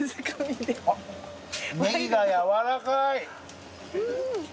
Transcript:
ネギが軟らかい。